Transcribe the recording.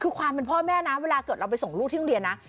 คือความเป็นพ่อแม่นะเวลาเกิดเราไปส่งลูกที่โรงเรียนนะ